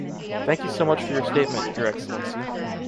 Thank you so much for your statement, Your Excellency.